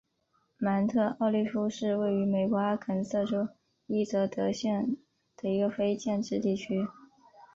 芒特奥利夫是位于美国阿肯色州伊泽德县的一个非建制地区。